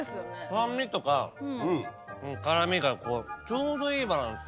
酸味とか辛みがちょうどいいバランス。